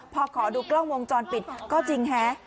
พอขอดูกล้องวงจรปิดก็จริงฮะ